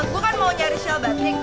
gue kan mau nyari shalbatnik